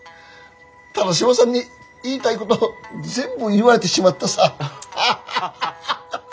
田良島さんに言いたいこと全部言われてしまったさ。